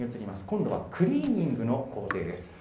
今度はクリーニングの工程です。